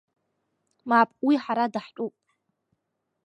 Мап, уи ҳара даҳтәуп…